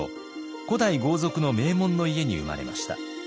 古代豪族の名門の家に生まれました。